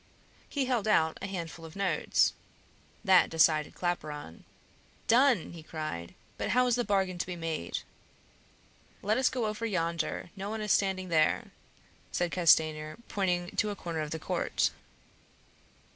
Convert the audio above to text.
He held out a handful of notes. That decided Claparon. "Done," he cried; "but how is the bargain to be made?" "Let us go over yonder, no one is standing there," said Castanier, pointing to a corner of the court.